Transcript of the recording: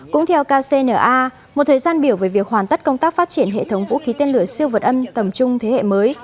cũng theo kcna một thời gian biểu về việc hoàn tất công tác phát triển hệ thống vũ khí tên lửa siêu vật âm tầm trung thế hệ mới